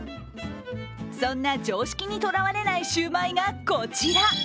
そんな常識にとらわれないシュウマイがこちら。